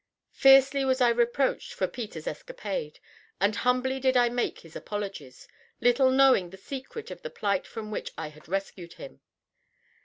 Fiercely was I reproached for Peter's escapade, and humbly did I make his apologies, little knowing the secret of the plight from which I had rescued him.